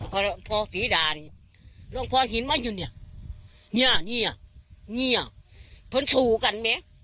ก็ได้ยินข้าวบอกว่าผลิตของ